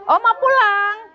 oh mau pulang